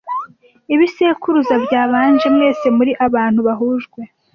ibisekuruza byabanje. Mwese muri abantu bahujwe